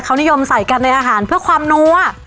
เขานิยมใส่กันในอาหารเพื่อความนัว